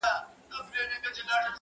• له نیکونو ورته پاته همدا کور وو -